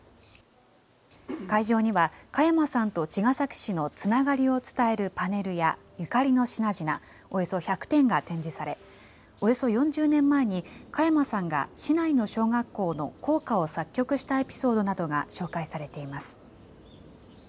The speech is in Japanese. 会場には、加山さんと茅ヶ崎市のつながりを伝えるパネルやゆかりの品々、およそ１００点が展示され、およそ４０年前に加山さんが市内の小学校の校歌を作曲したエピソードなどが紹介されています。